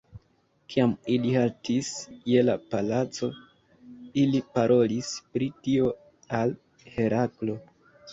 Kiam ili haltis je la palaco, ili parolis pri tio al Heraklo.